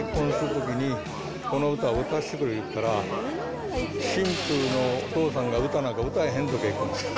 娘が結婚するときに、この歌を歌わせてくれって言ったら、新婦のお父さんは歌なんか歌えへんぞ、結婚式で。